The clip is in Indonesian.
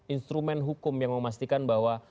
instrumen hukum yang memastikan bahwa